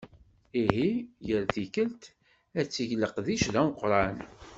Ihi yal tikelt ad teg leqdic d ameqqran.